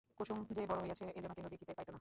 কুসুম যে বড়ো হইয়াছে এ যেন কেহ দেখিতে পাইত না।